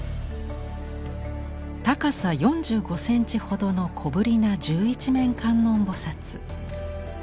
高さ４５センチほどの小ぶりな十一面観音菩。